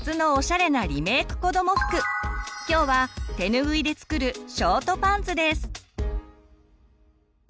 今日はてぬぐいで作る「ショートパンツ」です。